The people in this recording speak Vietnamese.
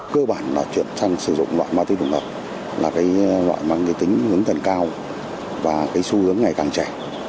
cơ bản là chuyện sử dụng loại ma túy tổng hợp là loại mà người tính hướng thần cao và xu hướng ngày càng trẻ